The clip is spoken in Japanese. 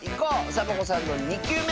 サボ子さんの２きゅうめ！